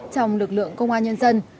trong lực lượng công an nhân dân